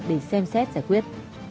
để xem xét giải quyết